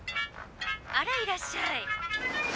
あらいらっしゃい。